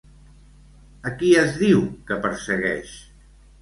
A qui es diu que persegueix?